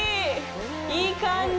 いい感じ。